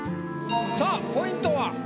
さあポイントは？